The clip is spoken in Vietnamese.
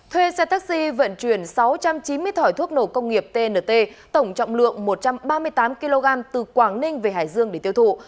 thuê xe taxi vận chuyển sáu trăm chín mươi thỏi thuốc nổ công nghiệp tnt tổng trọng lượng một trăm ba mươi tám kg từ quảng ninh về hải dương để tiêu thụ